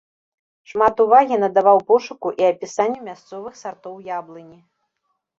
Шмат увагі надаваў пошуку і апісанню мясцовых сартоў яблыні.